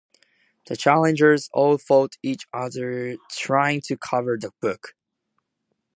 The challengers all fought each other trying to cover the book.